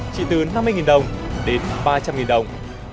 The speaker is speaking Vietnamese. chỉ từ năm mươi đồng đến ba trăm linh đồng